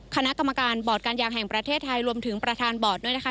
คณะกรรมการบอร์ดการยางแห่งประเทศไทยรวมถึงประธานบอร์ดด้วยนะคะ